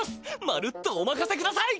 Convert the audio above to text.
まるっとおまかせください！